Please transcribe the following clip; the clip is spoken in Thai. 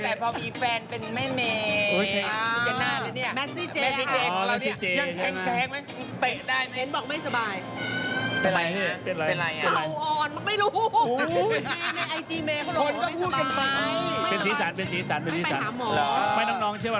นึกตอนนี้ลูกน้องในทีมแหมรู้สึกว่าจะยังมีรแรงอยู่ป่ะ